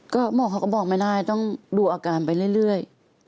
ก็หมอเขาก็บอกไม่ได้ต้องดูอาการไปเรื่อย